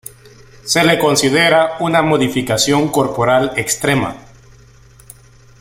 Se le considera una modificación corporal extrema.